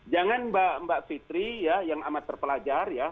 jangan mbak fitri ya yang amat terpelajar ya